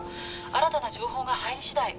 新たな情報が入りしだい